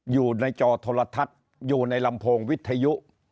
อยู่ในจอโทรทัศน์อยู่ในลำโพงวิทยุ